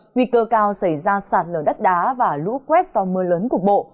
nguy cơ cao xảy ra sạt lở đất đá và lũ quét do mưa lớn cục bộ